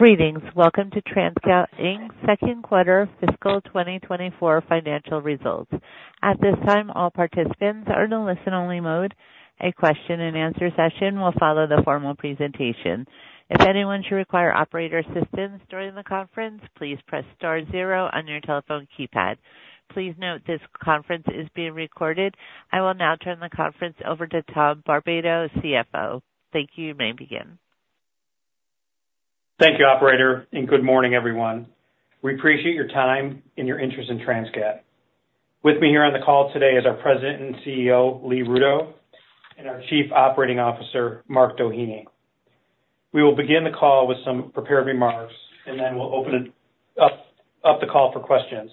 Greetings. Welcome to Transcat Inc. second quarter fiscal 2024 financial results. At this time, all participants are in a listen-only mode. A question and answer session will follow the formal presentation. If anyone should require operator assistance during the conference, please press star zero on your telephone keypad. Please note this conference is being recorded. I will now turn the conference over to Tom Barbato, CFO. Thank you. You may begin. Thank you, operator, and good morning, everyone. We appreciate your time and your interest in Transcat. With me here on the call today is our President and CEO, Lee Rudow, and our Chief Operating Officer, Mark Doheny. We will begin the call with some prepared remarks, and then we'll open up the call for questions.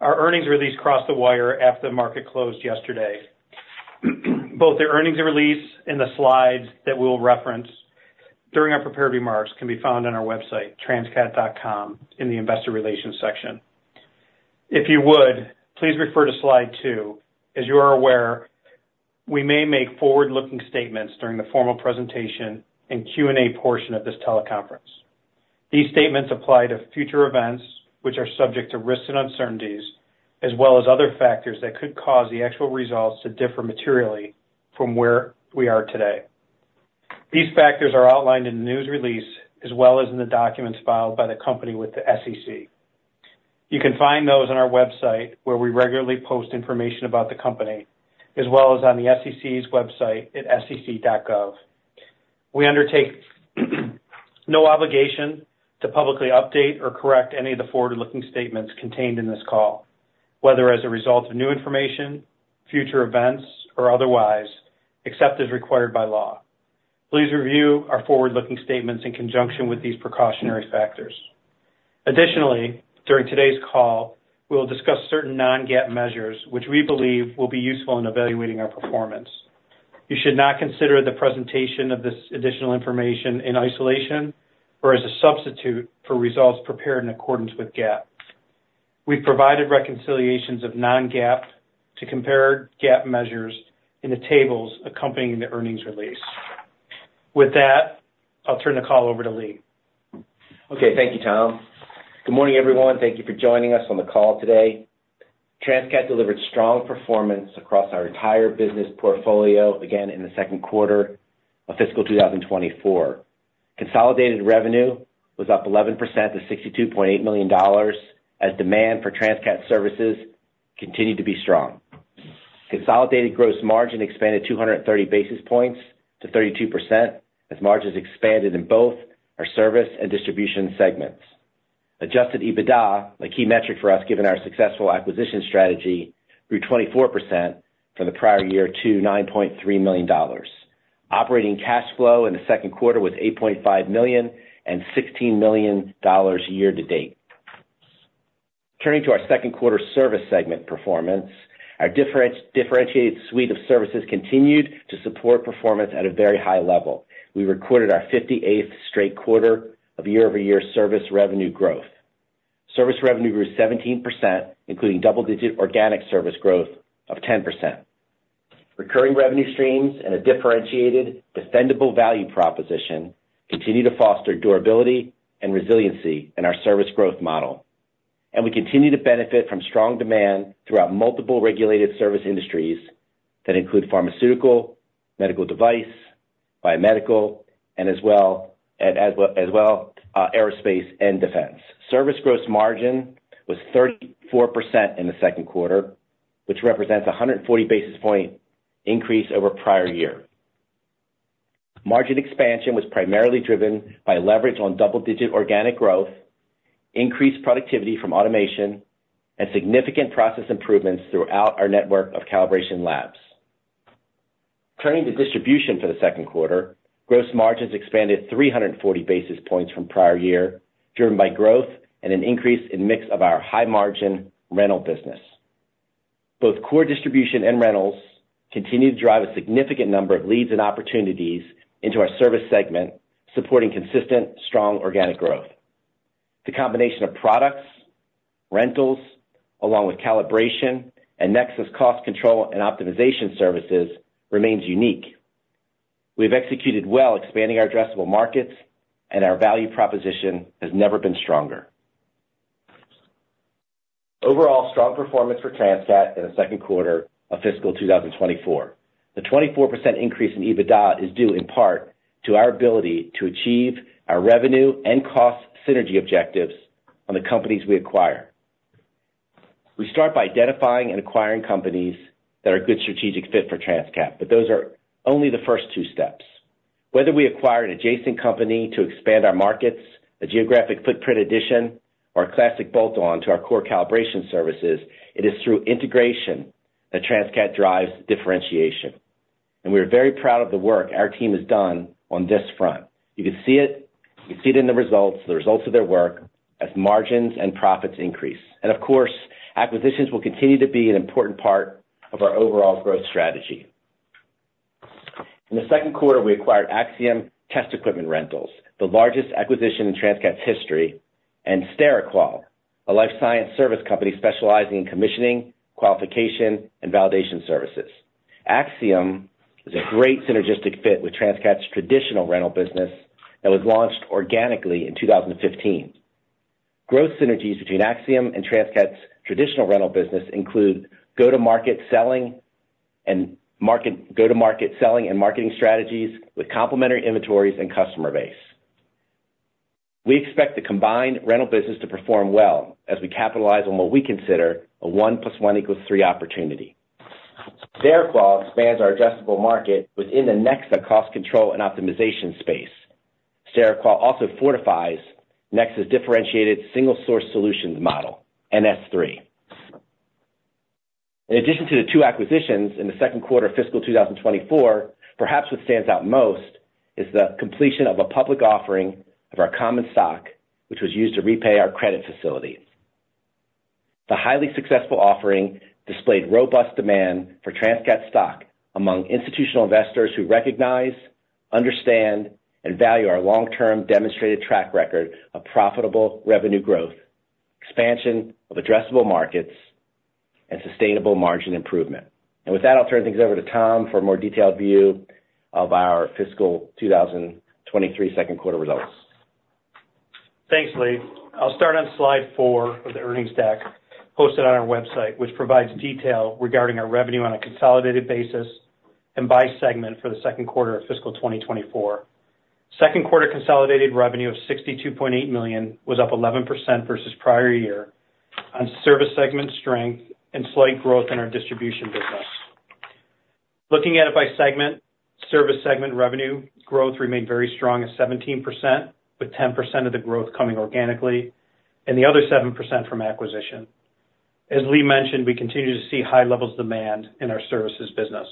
Our earnings release crossed the wire after the market closed yesterday. Both the earnings release and the slides that we'll reference during our prepared remarks can be found on our website, transcat.com, in the Investor Relations section. If you would, please refer to Slide two. As you are aware, we may make forward-looking statements during the formal presentation and Q&A portion of this teleconference. These statements apply to future events, which are subject to risks and uncertainties, as well as other factors that could cause the actual results to differ materially from where we are today. These factors are outlined in the news release, as well as in the documents filed by the company with the SEC. You can find those on our website, where we regularly post information about the company, as well as on the SEC's website at sec.gov. We undertake no obligation to publicly update or correct any of the forward-looking statements contained in this call, whether as a result of new information, future events, or otherwise, except as required by law. Please review our forward-looking statements in conjunction with these precautionary factors. Additionally, during today's call, we'll discuss certain non-GAAP measures, which we believe will be useful in evaluating our performance. You should not consider the presentation of this additional information in isolation or as a substitute for results prepared in accordance with GAAP. We've provided reconciliations of non-GAAP to compare GAAP measures in the tables accompanying the earnings release. With that, I'll turn the call over to Lee. Okay. Thank you, Tom. Good morning, everyone. Thank you for joining us on the call today. Transcat delivered strong performance across our entire business portfolio again in the second quarter of fiscal 2024. Consolidated revenue was up 11% to $62.8 million, as demand for Transcat services continued to be strong. Consolidated gross margin expanded 230 basis points to 32%, as margins expanded in both our service and distribution segments. Adjusted EBITDA, a key metric for us, given our successful acquisition strategy, grew 24% from the prior year to $9.3 million. Operating cash flow in the second quarter was $8.5 million and $16 million year to date. Turning to our second quarter service segment performance, our differentiated suite of services continued to support performance at a very high level. We recorded our 58th straight quarter of year-over-year service revenue growth. Service revenue grew 17%, including double-digit organic service growth of 10%. Recurring revenue streams and a differentiated, defendable value proposition continue to foster durability and resiliency in our service growth model, and we continue to benefit from strong demand throughout multiple regulated service industries that include pharmaceutical, medical device, biomedical, as well as aerospace and defense. Service gross margin was 34% in the second quarter, which represents a 140 basis point increase over prior year. Margin expansion was primarily driven by leverage on double-digit organic growth, increased productivity from automation, and significant process improvements throughout our network of calibration labs. Turning to distribution for the second quarter, gross margins expanded 340 basis points from prior year, driven by growth and an increase in mix of our high-margin rental business. Both core distribution and rentals continue to drive a significant number of leads and opportunities into our service segment, supporting consistent, strong organic growth. The combination of products, rentals, along with calibration and NEXA cost control and optimization services remains unique. We've executed well, expanding our addressable markets, and our value proposition has never been stronger. Overall, strong performance for Transcat in the second quarter of fiscal 2024. The 24% increase in EBITDA is due in part to our ability to achieve our revenue and cost synergy objectives on the companies we acquire. We start by identifying and acquiring companies that are a good strategic fit for Transcat, but those are only the first two steps. Whether we acquire an adjacent company to expand our markets, a geographic footprint addition, or a classic bolt-on to our core calibration services, it is through integration that Transcat drives differentiation, and we are very proud of the work our team has done on this front. You can see it. You can see it in the results, the results of their work as margins and profits increase. And of course, acquisitions will continue to be an important part of our overall growth strategy. In the second quarter, we acquired Axiom Test Equipment Rentals, the largest acquisition in Transcat's history, and SteriQual, a life science service company specializing in commissioning, qualification, and validation services... Axiom is a great synergistic fit with Transcat's traditional rental business that was launched organically in 2015. Growth synergies between Axiom and Transcat's traditional rental business include go-to-market selling and marketing strategies with complementary inventories and customer base. We expect the combined rental business to perform well as we capitalize on what we consider a 1 + 1 = 3 opportunity. SteriQual expands our addressable market within the NEXA cost control and optimization space. SteriQual also fortifies NEXA's differentiated single-source solutions model, NS3. In addition to the 2 acquisitions in the second quarter of fiscal 2024, perhaps what stands out most is the completion of a public offering of our common stock, which was used to repay our credit facility. The highly successful offering displayed robust demand for Transcat's stock among institutional investors who recognize, understand, and value our long-term demonstrated track record of profitable revenue growth, expansion of addressable markets, and sustainable margin improvement. With that, I'll turn things over to Tom for a more detailed view of our fiscal 2023 second quarter results. Thanks, Lee. I'll start on slide four of the earnings deck posted on our website, which provides detail regarding our revenue on a consolidated basis and by segment for the second quarter of fiscal 2024. Second quarter consolidated revenue of $62.8 million was up 11% versus prior year on service segment strength and slight growth in our distribution business. Looking at it by segment, service segment revenue growth remained very strong at 17%, with 10% of the growth coming organically and the other 7% from acquisition. As Lee mentioned, we continue to see high levels of demand in our services business.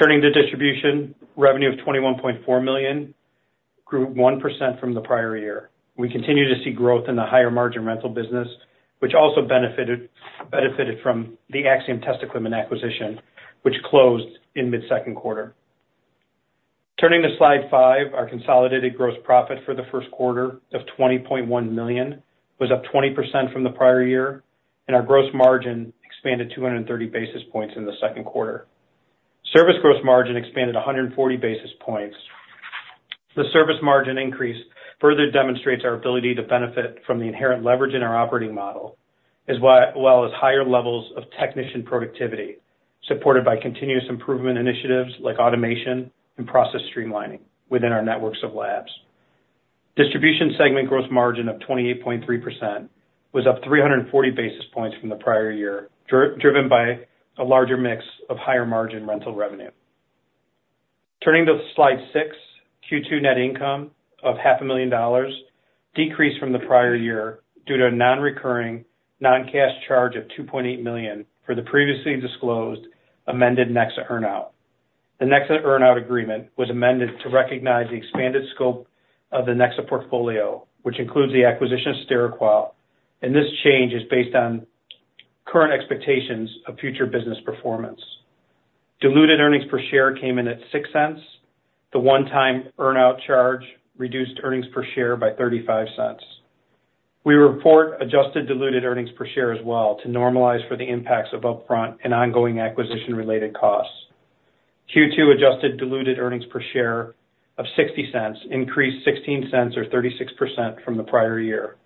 Turning to distribution, revenue of $21.4 million grew 1% from the prior year. We continue to see growth in the higher margin rental business, which also benefited from the Axiom Test Equipment acquisition, which closed in mid-second quarter. Turning to slide five, our consolidated gross profit for the first quarter of $20.1 million was up 20% from the prior year, and our gross margin expanded 230 basis points in the second quarter. Service gross margin expanded 140 basis points. The service margin increase further demonstrates our ability to benefit from the inherent leverage in our operating model, as well as higher levels of technician productivity, supported by continuous improvement initiatives like automation and process streamlining within our networks of labs. Distribution segment gross margin of 28.3% was up 340 basis points from the prior year, driven by a larger mix of higher margin rental revenue. Turning to slide 6, Q2 net income of $500,000 decreased from the prior year due to a non-recurring, non-cash charge of $2.8 million for the previously disclosed amended NEXA earn-out. The NEXA earn-out agreement was amended to recognize the expanded scope of the NEXA portfolio, which includes the acquisition of SteriQual, and this change is based on current expectations of future business performance. Diluted earnings per share came in at $0.06. The one-time earn-out charge reduced earnings per share by $0.35. We report adjusted diluted earnings per share as well to normalize for the impacts of upfront and ongoing acquisition-related costs. Q2 adjusted diluted earnings per share of $0.60 increased $0.16 or 36% from the prior year.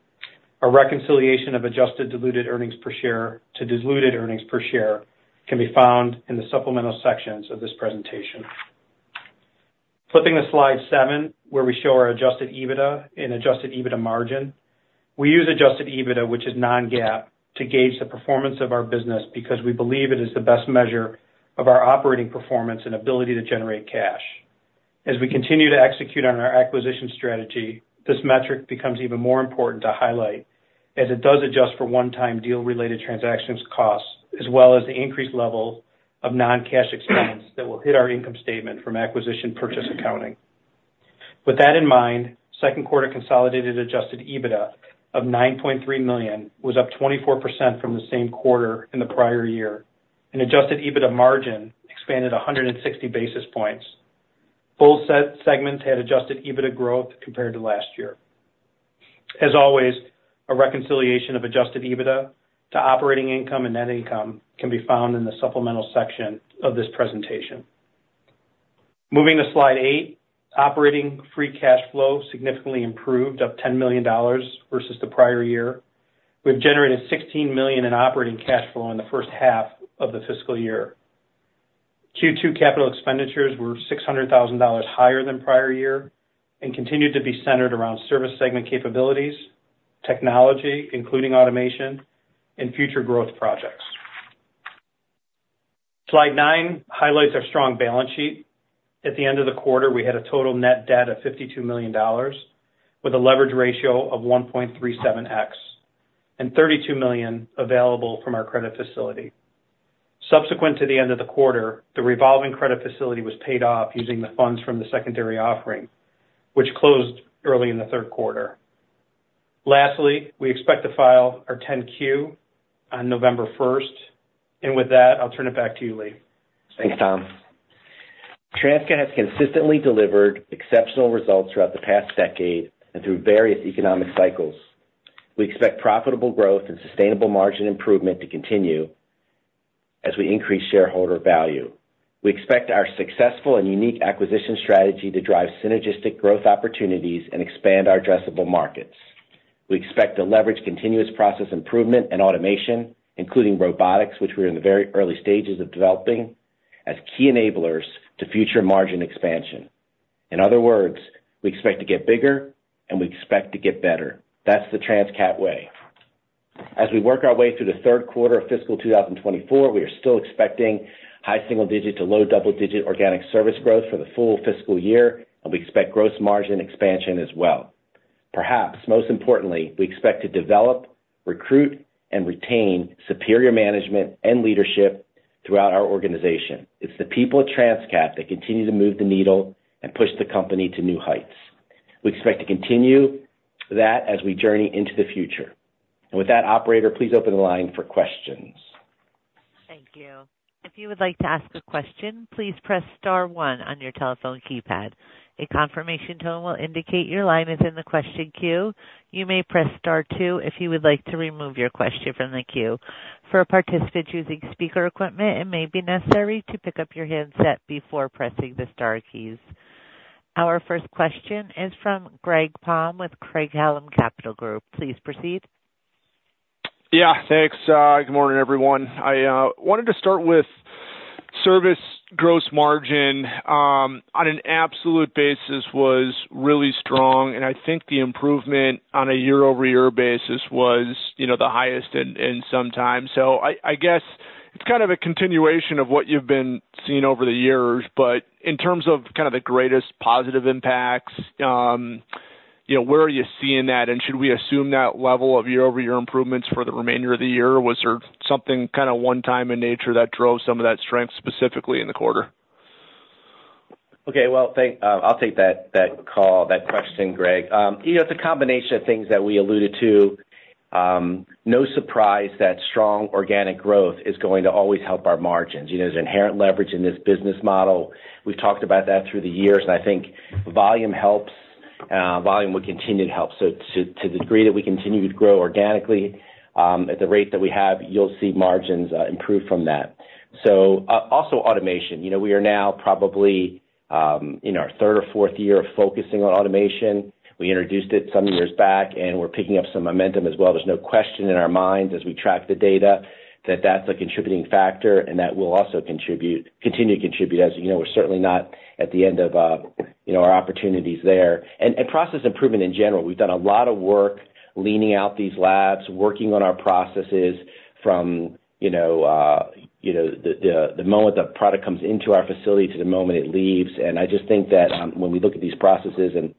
A reconciliation of adjusted diluted earnings per share to diluted earnings per share can be found in the supplemental sections of this presentation. Flipping to slide 7, where we show our Adjusted EBITDA and Adjusted EBITDA margin. We use Adjusted EBITDA, which is non-GAAP, to gauge the performance of our business because we believe it is the best measure of our operating performance and ability to generate cash. As we continue to execute on our acquisition strategy, this metric becomes even more important to highlight, as it does adjust for one-time deal-related transactions costs, as well as the increased level of non-cash expense that will hit our income statement from acquisition purchase accounting. With that in mind, second quarter consolidated Adjusted EBITDA of $9.3 million was up 24% from the same quarter in the prior year, and Adjusted EBITDA margin expanded 160 basis points. Both segments had Adjusted EBITDA growth compared to last year. As always, a reconciliation of Adjusted EBITDA to operating income and net income can be found in the supplemental section of this presentation. Moving to slide 8, operating free cash flow significantly improved, up $10 million versus the prior year. We've generated $16 million in operating cash flow in the first half of the fiscal year. Q2 capital expenditures were $600,000 higher than prior year and continued to be centered around service segment capabilities, technology, including automation and future growth projects. Slide 9 highlights our strong balance sheet. At the end of the quarter, we had a total net debt of $52 million, with a leverage ratio of 1.37x, and $32 million available from our credit facility. Subsequent to the end of the quarter, the revolving credit facility was paid off using the funds from the secondary offering, which closed early in the third quarter. Lastly, we expect to file our 10-Q on November first. With that, I'll turn it back to you, Lee. Thanks, Tom. Transcat has consistently delivered exceptional results throughout the past decade and through various economic cycles. We expect profitable growth and sustainable margin improvement to continue as we increase shareholder value. We expect our successful and unique acquisition strategy to drive synergistic growth opportunities and expand our addressable markets. We expect to leverage continuous process improvement and automation, including robotics, which we're in the very early stages of developing, as key enablers to future margin expansion. In other words, we expect to get bigger, and we expect to get better. That's the Transcat way. As we work our way through the third quarter of fiscal 2024, we are still expecting high single-digit to low double-digit organic service growth for the full fiscal year, and we expect gross margin expansion as well. Perhaps, most importantly, we expect to develop, recruit, and retain superior management and leadership throughout our organization. It's the people at Transcat that continue to move the needle and push the company to new heights. We expect to continue that as we journey into the future. With that, operator, please open the line for questions. Thank you. If you would like to ask a question, please press star one on your telephone keypad. A confirmation tone will indicate your line is in the question queue. You may press star two if you would like to remove your question from the queue. For participants using speaker equipment, it may be necessary to pick up your handset before pressing the star keys. Our first question is from Greg Palm with Craig-Hallum Capital Group. Please proceed. Yeah, thanks. Good morning, everyone. I wanted to start with service gross margin on an absolute basis was really strong, and I think the improvement on a year-over-year basis was, you know, the highest in some time. So I guess it's kind of a continuation of what you've been seeing over the years, but in terms of kind of the greatest positive impacts, you know, where are you seeing that? And should we assume that level of year-over-year improvements for the remainder of the year, or was there something kind of one time in nature that drove some of that strength, specifically in the quarter? Okay, well, thanks. I'll take that call, that question, Greg. You know, it's a combination of things that we alluded to. No surprise that strong organic growth is going to always help our margins. You know, there's inherent leverage in this business model. We've talked about that through the years, and I think volume helps. Volume will continue to help. So to the degree that we continue to grow organically at the rate that we have, you'll see margins improve from that. So also automation. You know, we are now probably in our third or fourth year of focusing on automation. We introduced it some years back, and we're picking up some momentum as well. There's no question in our minds as we track the data, that that's a contributing factor and that will also continue to contribute. As you know, we're certainly not at the end of, you know, our opportunities there. And process improvement in general. We've done a lot of work leaning out these labs, working on our processes from, you know, you know, the moment the product comes into our facility to the moment it leaves. And I just think that, when we look at these processes and,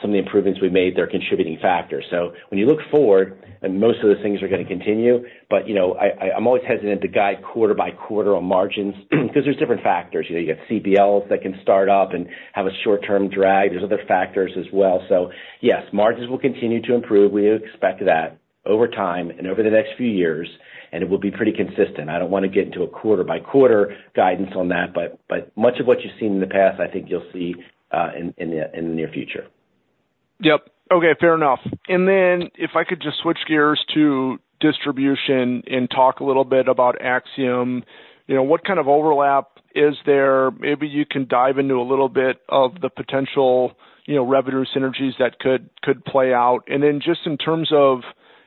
some of the improvements we've made, they're a contributing factor. So when you look forward, and most of the things are gonna continue, but, you know, I, I'm always hesitant to guide quarter by quarter on margins because there's different factors. You know, you have CBLs that can start up and have a short-term drag. There's other factors as well. So yes, margins will continue to improve. We expect that over time and over the next few years, and it will be pretty consistent. I don't wanna get into a quarter-by-quarter guidance on that, but, but much of what you've seen in the past, I think you'll see in the near future. Yep. Okay, fair enough. And then if I could just switch gears to distribution and talk a little bit about Axiom. You know, what kind of overlap is there? Maybe you can dive into a little bit of the potential, you know, revenue synergies that could play out. And then just in terms of,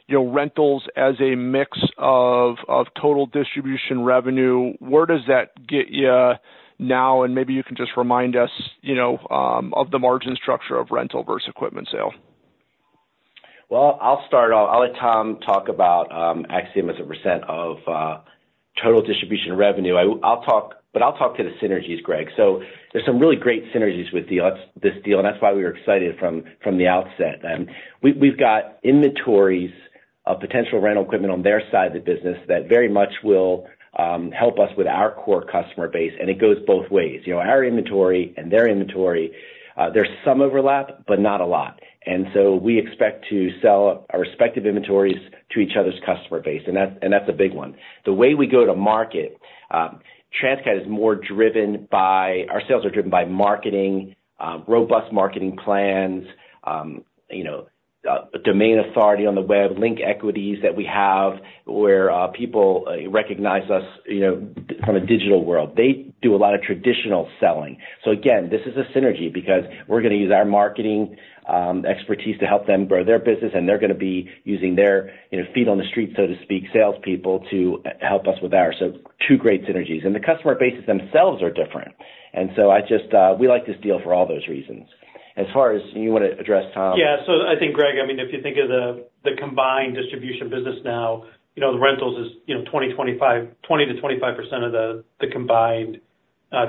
you know, rentals as a mix of total distribution revenue, where does that get you now? And maybe you can just remind us, you know, of the margin structure of rental versus equipment sale. Well, I'll start off. I'll let Tom talk about Axiom as a percent of total distribution revenue. I'll talk, but I'll talk to the synergies, Greg. So there's some really great synergies with the deal, this deal, and that's why we were excited from the outset. We've got inventories of potential rental equipment on their side of the business that very much will help us with our core customer base, and it goes both ways. You know, our inventory and their inventory, there's some overlap, but not a lot. And so we expect to sell our respective inventories to each other's customer base, and that's a big one. The way we go to market, Transcat is more driven by... Our sales are driven by marketing, robust marketing plans, you know, domain authority on the web, link equities that we have, where people recognize us, you know, from a digital world. They do a lot of traditional selling. So again, this is a synergy because we're gonna use our marketing expertise to help them grow their business, and they're gonna be using their, you know, feet on the street, so to speak, salespeople, to help us with ours. So two great synergies. And the customer bases themselves are different. And so I just we like this deal for all those reasons. As far as you want to address, Tom? Yeah. So I think, Greg, I mean, if you think of the combined distribution business now, you know, the rentals is, you know, 20 to 25% of the combined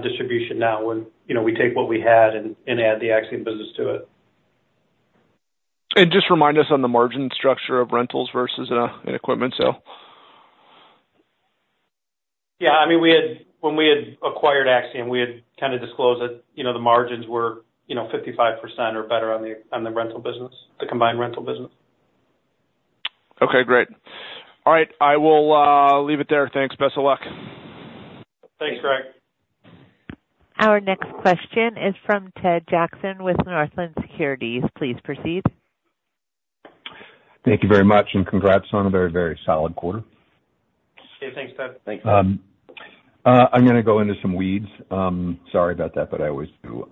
distribution now, when, you know, we take what we had and add the Axiom business to it. Just remind us on the margin structure of rentals versus and equipment sale? Yeah, I mean, when we had acquired Axiom, we had kind of disclosed that, you know, the margins were, you know, 55% or better on the, on the rental business, the combined rental business.... Okay, great. All right, I will leave it there. Thanks. Best of luck. Thanks, Greg. Our next question is from Ted Jackson with Northland Securities. Please proceed. Thank you very much, and congrats on a very, very solid quarter. Yeah, thanks, Ted. Thanks. I'm gonna go into some weeds. Sorry about that, but I always do.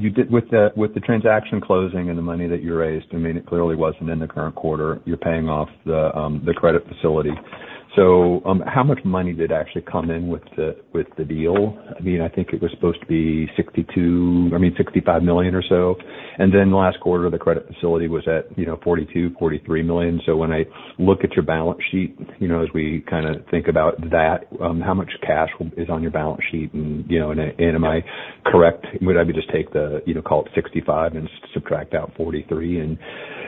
You did with the, with the transaction closing and the money that you raised, I mean, it clearly wasn't in the current quarter. You're paying off the credit facility. So, how much money did actually come in with the, with the deal? I mean, I think it was supposed to be 62, I mean, $65 million or so, and then last quarter, the credit facility was at, you know, $42-$43 million. So when I look at your balance sheet, you know, as we kinda think about that, how much cash is on your balance sheet? And, you know, and, and am I correct? Would I just take the, you know, call it 65 and subtract out 43, and,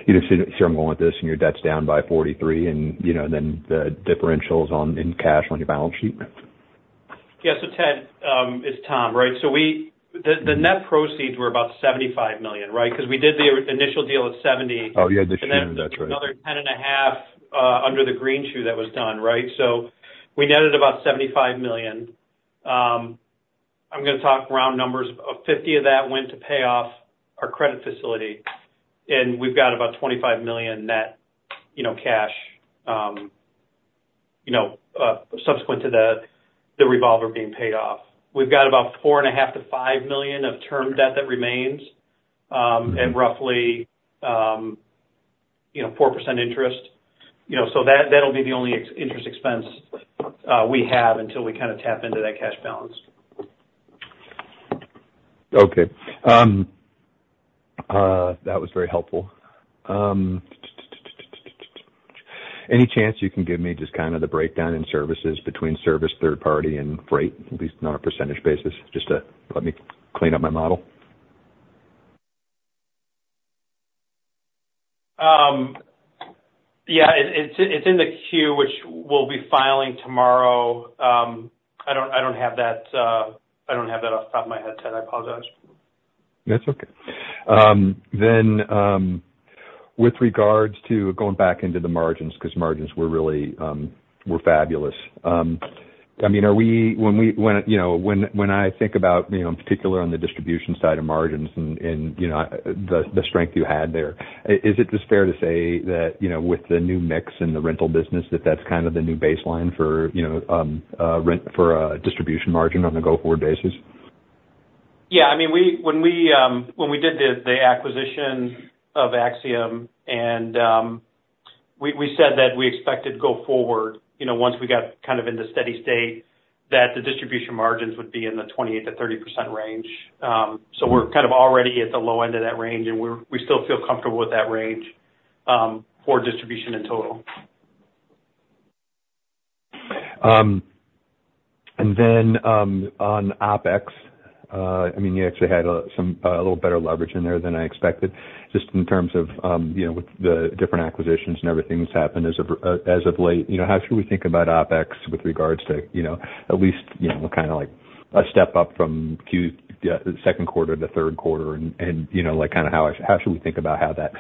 you know, see where I'm going with this, and your debt's down by 43, and, you know, then the differentials on, in cash on your balance sheet? Yeah. So, Ted, it's Tom, right? So we, the net proceeds were about $75 million, right? Because we did the initial deal at $70. Oh, yeah, initially. That's right. Another 10.5 under the Green Shoe that was done, right? So we netted about $75 million. I'm gonna talk round numbers. Fifty of that went to pay off our credit facility, and we've got about $25 million net, you know, cash, you know, subsequent to the revolver being paid off. We've got about $4.5 million-$5 million of term debt that remains, and roughly, you know, 4% interest, you know, so that, that'll be the only ex- interest expense we have until we kind of tap into that cash balance. Okay. That was very helpful. Any chance you can give me just kind of the breakdown in services between service, third party and freight, at least on a percentage basis, just to let me clean up my model? Yeah, it's in the queue, which we'll be filing tomorrow. I don't have that off the top of my head, Ted. I apologize. That's okay. Then, with regards to going back into the margins, because margins were really fabulous. I mean, are we, when we, you know, when I think about, you know, in particular on the distribution side of margins and, you know, the strength you had there, is it just fair to say that, you know, with the new mix in the rental business, that's kind of the new baseline for, you know, rent for a distribution margin on a go-forward basis? Yeah, I mean, when we did the acquisition of Axiom and we said that we expected to go forward, you know, once we got kind of in the steady state, that the distribution margins would be in the 28%-30% range. So we're kind of already at the low end of that range, and we still feel comfortable with that range for distribution in total. On OpEx, I mean, you actually had some a little better leverage in there than I expected, just in terms of, you know, with the different acquisitions and everything that's happened as of late. You know, how should we think about OpEx with regards to, you know, at least, you know, kind of like a step up from Q2, second quarter to third quarter and you know, like, kind of how should we think about how that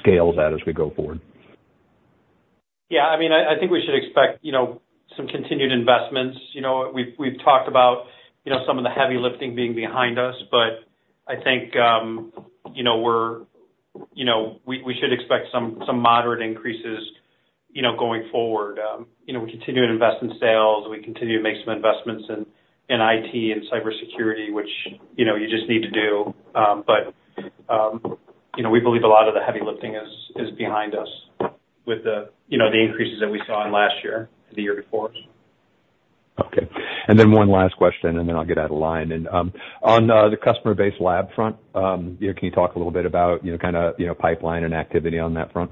scales out as we go forward? Yeah, I mean, I think we should expect, you know, some continued investments. You know, we've talked about, you know, some of the heavy lifting being behind us, but I think, you know, we should expect some moderate increases, you know, going forward. You know, we continue to invest in sales, and we continue to make some investments in IT and cybersecurity, which, you know, you just need to do. But, you know, we believe a lot of the heavy lifting is behind us with the, you know, the increases that we saw in last year and the year before. Okay, and then one last question, and then I'll get out of line. And on the customer-based lab front, you know, can you talk a little bit about, you know, kind of, you know, pipeline and activity on that front?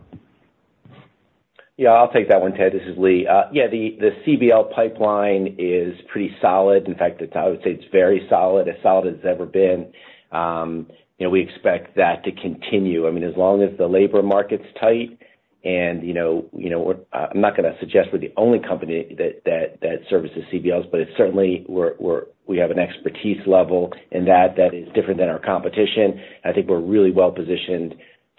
Yeah, I'll take that one, Ted. This is Lee. Yeah, the CBL pipeline is pretty solid. In fact, it's—I would say it's very solid, as solid as it's ever been. You know, we expect that to continue. I mean, as long as the labor market's tight and, you know, you know, I'm not gonna suggest we're the only company that services CBLs, but it's certainly we're—we have an expertise level in that that is different than our competition. I think we're really well positioned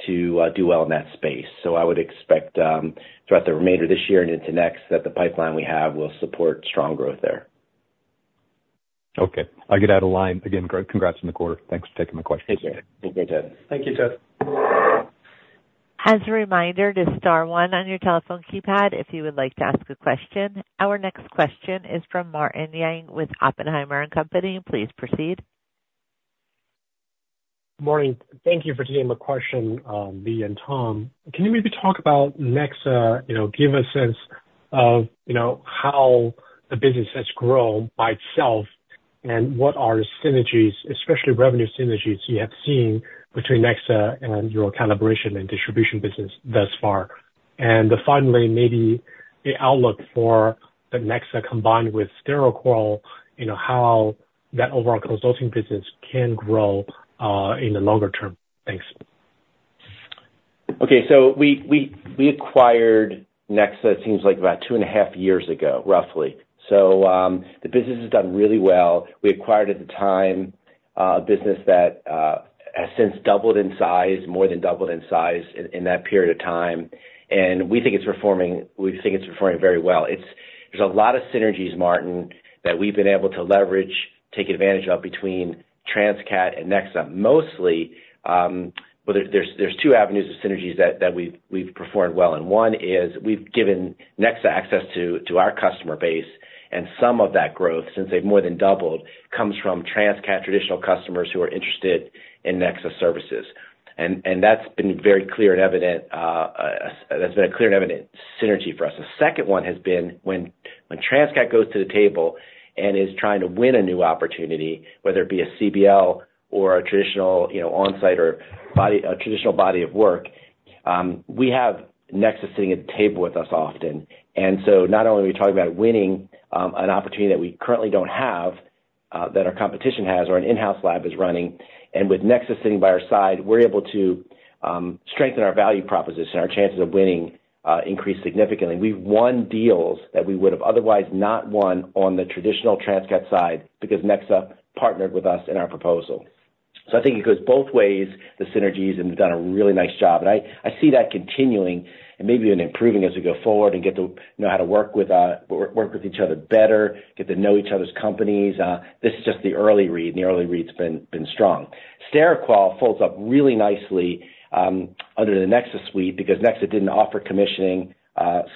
to do well in that space. So I would expect throughout the remainder of this year and into next, that the pipeline we have will support strong growth there. Okay, I'll get out of line. Again, great, congrats on the quarter. Thanks for taking my questions. Thank you. Okay, Ted. Thank you, Ted. As a reminder to star one on your telephone keypad if you would like to ask a question. Our next question is from Martin Yang with Oppenheimer and Company. Please proceed. Morning. Thank you for taking my question, Lee and Tom. Can you maybe talk about NEXA, you know, give a sense of, you know, how the business has grown by itself, and what are the synergies, especially revenue synergies you have seen between NEXA and your calibration and distribution business thus far? And then finally, maybe the outlook for the NEXA combined with SteriQual, you know, how that overall consulting business can grow, in the longer term? Thanks. Okay. So we acquired NEXA, it seems like about 2.5 years ago, roughly. So, the business has done really well. We acquired at the time a business that has since doubled in size, more than doubled in size in that period of time. And we think it's performing, we think it's performing very well. It's. There's a lot of synergies, Martin, that we've been able to leverage, take advantage of between Transcat and NEXA. Mostly, well, there's two avenues of synergies that we've performed well in. One is we've given NEXA access to our customer base, and some of that growth, since they've more than doubled, comes from Transcat traditional customers who are interested in NEXA services. And that's been very clear and evident, that's been a clear and evident synergy for us. The second one has been when Transcat goes to the table and is trying to win a new opportunity, whether it be a CBL or a traditional, you know, on-site or a traditional body of work, we have NEXA sitting at the table with us often. And so not only are we talking about winning an opportunity that we currently don't have, that our competition has or an in-house lab is running, and with NEXA sitting by our side, we're able to strengthen our value proposition, our chances of winning increase significantly. We've won deals that we would have otherwise not won on the traditional Transcat side because NEXA partnered with us in our proposal. So I think it goes both ways, the synergies, and we've done a really nice job. And I see that continuing and maybe even improving as we go forward and get to know how to work with each other better, get to know each other's companies. This is just the early read, and the early read's been strong. SteriQual folds up really nicely under the NEXA suite because NEXA didn't offer commissioning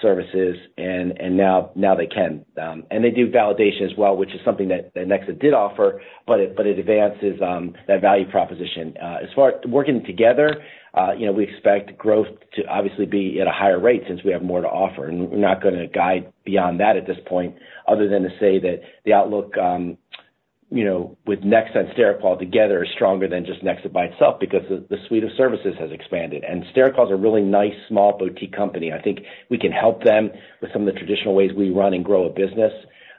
services, and now they can. And they do validation as well, which is something that NEXA did offer, but it advances that value proposition. As far as working together, you know, we expect growth to obviously be at a higher rate since we have more to offer. And we're not gonna guide beyond that at this point, other than to say that the outlook, you know, with NEXA and SteriQual together is stronger than just NEXA by itself because the suite of services has expanded. And SteriQual is a really nice, small boutique company. I think we can help them with some of the traditional ways we run and grow a business,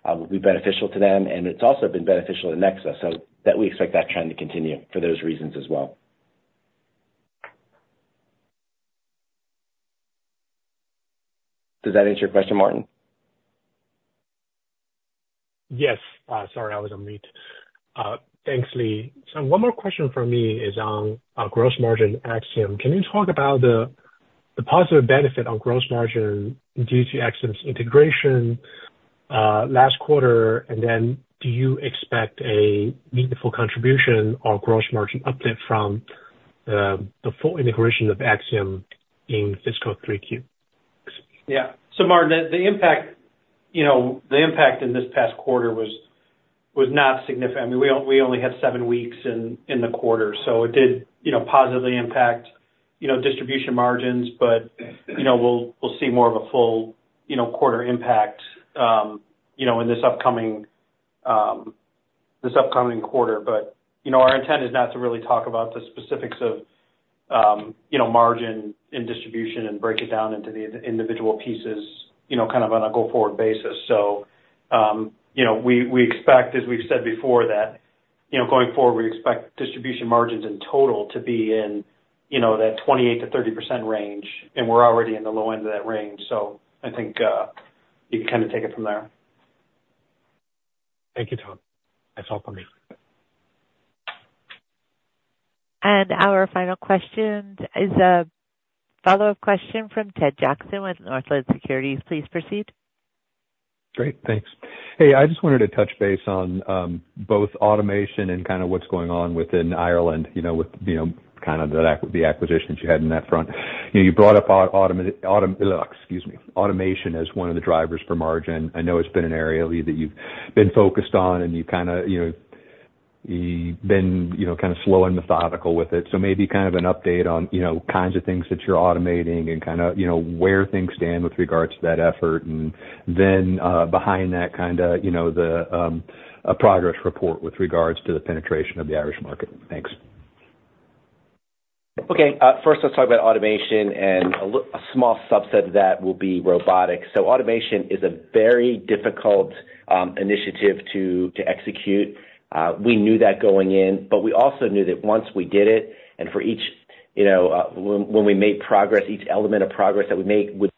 will be beneficial to them, and it's also been beneficial to NEXA, so that we expect that trend to continue for those reasons as well. Does that answer your question, Martin? Yes. Sorry, I was on mute. Thanks, Lee. So one more question from me is on, on gross margin Axiom. Can you talk about the, the positive benefit on gross margin due to Axiom's integration last quarter? And then do you expect a meaningful contribution or gross margin uplift from the full integration of Axiom in fiscal three Q? Yeah. So Martin, the impact, you know, the impact in this past quarter was not significant. I mean, we only had seven weeks in the quarter, so it did, you know, positively impact, you know, distribution margins. But, you know, we'll see more of a full, you know, quarter impact, you know, in this upcoming quarter. But, you know, our intent is not to really talk about the specifics of, you know, margin in distribution and break it down into the individual pieces, you know, kind of on a go-forward basis. So, you know, we expect, as we've said before, that, you know, going forward, we expect distribution margins in total to be in, you know, that 28%-30% range, and we're already in the low end of that range. I think, you can kind of take it from there. Thank you, Tom. That's all for me. Our final question is a follow-up question from Ted Jackson with Northland Securities. Please proceed. Great. Thanks. Hey, I just wanted to touch base on both automation and kind of what's going on within Ireland, you know, with, you know, kind of the acquisitions you had in that front. You know, you brought up automation as one of the drivers for margin. I know it's been an area, Lee, that you've been focused on, and you've kinda, you know, you've been, you know, kind of slow and methodical with it. So maybe kind of an update on, you know, kinds of things that you're automating and kinda, you know, where things stand with regards to that effort. And then behind that, kinda, you know, a progress report with regards to the penetration of the Irish market. Thanks. Okay. First, let's talk about automation, and a small subset of that will be robotics. So automation is a very difficult initiative to execute. We knew that going in, but we also knew that once we did it, and for each, you know, when we made progress, each element of progress that we make would be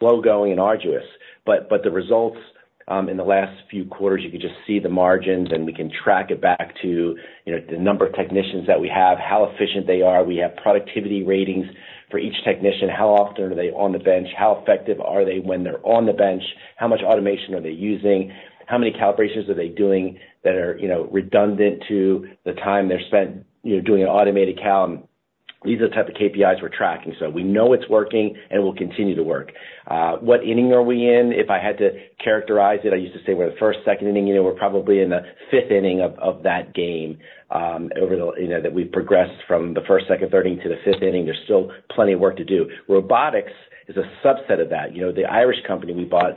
slow-going and arduous, but the results in the last few quarters, you can just see the margins, and we can track it back to, you know, the number of technicians that we have, how efficient they are. We have productivity ratings for each technician. How often are they on the bench? How effective are they when they're on the bench? How much automation are they using? How many calibrations are they doing that are, you know, redundant to the time they're spent, you know, doing an automated cal? These are the type of KPIs we're tracking. So we know it's working, and it will continue to work. What inning are we in? If I had to characterize it, I used to say we're the first, second inning. You know, we're probably in the fifth inning of that game, over the, you know, that we've progressed from the first, second, third inning to the fifth inning. There's still plenty of work to do. Robotics is a subset of that. You know, the Irish company we bought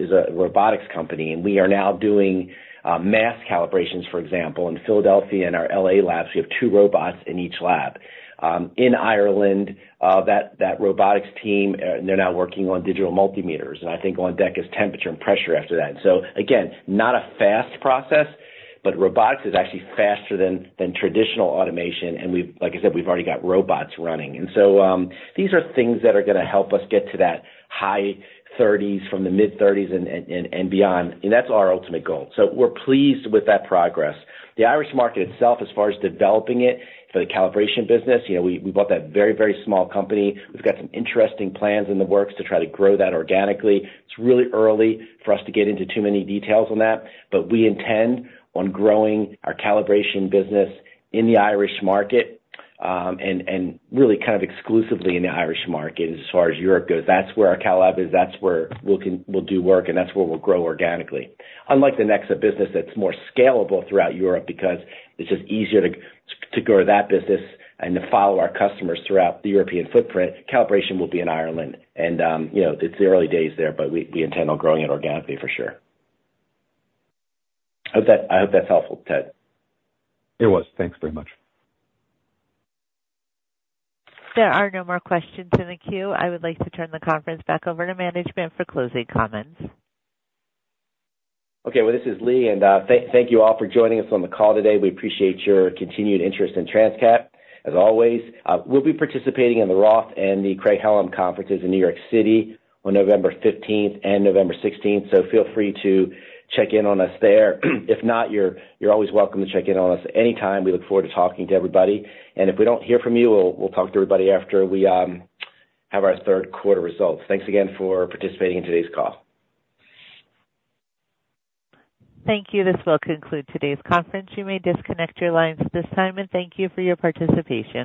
is a robotics company, and we are now doing mass calibrations, for example, in Philadelphia and our LA labs. We have two robots in each lab.... In Ireland, that robotics team, they're now working on digital multimeters, and I think on deck is temperature and pressure after that. So again, not a fast process, but robotics is actually faster than traditional automation, and we've, like I said, we've already got robots running. And so, these are things that are gonna help us get to that high thirties from the mid-thirties and beyond, and that's our ultimate goal. So we're pleased with that progress. The Irish market itself, as far as developing it for the calibration business, you know, we bought that very, very small company. We've got some interesting plans in the works to try to grow that organically. It's really early for us to get into too many details on that, but we intend on growing our calibration business in the Irish market and really kind of exclusively in the Irish market as far as Europe goes. That's where our cal lab is, that's where we'll do work, and that's where we'll grow organically. Unlike the NEXA business, that's more scalable throughout Europe because it's just easier to grow that business and to follow our customers throughout the European footprint. Calibration will be in Ireland and, you know, it's the early days there, but we intend on growing it organically for sure. I hope that's helpful, Ted. It was. Thanks very much. There are no more questions in the queue. I would like to turn the conference back over to management for closing comments. Okay. Well, this is Lee, and thank you all for joining us on the call today. We appreciate your continued interest in Transcat. As always, we'll be participating in the Roth and the Craig-Hallum Conferences in New York City on November fifteenth and November sixteenth, so feel free to check in on us there. If not, you're always welcome to check in on us anytime. We look forward to talking to everybody, and if we don't hear from you, we'll talk to everybody after we have our third quarter results. Thanks again for participating in today's call. Thank you. This will conclude today's conference. You may disconnect your lines at this time, and thank you for your participation.